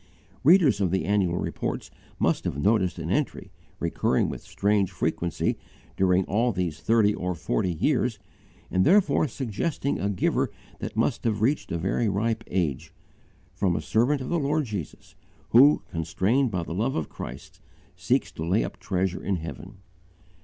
Readers of the Annual Reports must have noticed an entry, recurring with strange frequency during all these thirty or forty years, and therefore suggesting a giver that must have reached a very ripe age: "from a servant of the Lord Jesus, who, constrained by the love of Christ, seeks to lay up treasure in heaven."